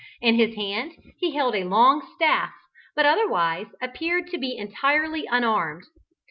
In his hand he held a long staff, but otherwise appeared to be entirely unarmed.